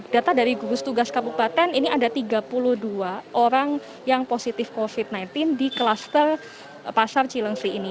data dari gugus tugas kabupaten ini ada tiga puluh dua orang yang positif covid sembilan belas di kluster pasar cilengsi ini